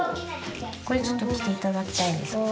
これちょっと着て頂きたいんですけど。